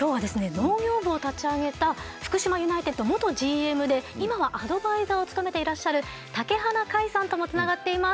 農業部を立ち上げた福島ユナイテッド元ＧＭで今はアドバイザーを務めていらっしゃる竹鼻快さんともつながっています。